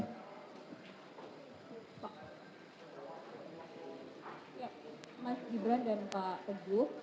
ya mas gibran dan pak teguh